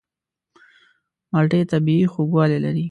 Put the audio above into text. مالټې طبیعي خوږوالی لري.